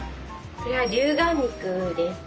これは「竜眼肉」です。